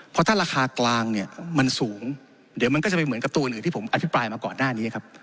เพราะถ้าราคากลางเนี่ยมันสูงเดี๋ยวมันก็จะไปเหมือนกับตัวอื่นที่ผมอภิปรายมาก่อนหน้านี้ครับ